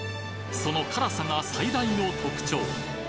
その辛さが最大の特徴